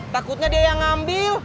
takutnya dia yang ngambil